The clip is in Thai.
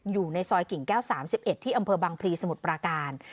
อยู่ในซอยกิ่งแก้ว๓๑ที่อำเภอบังพลีสมุทรปราการ